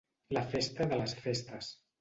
La festa de les festes.